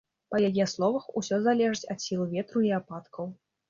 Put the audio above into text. Па яе словах, усё залежыць ад сілы ветру і ападкаў.